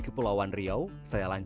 menurut orang jari jari ini adalah